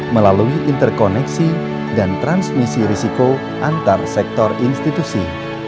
melalui interkoneksi dan transmisi risiko antar sektor institusi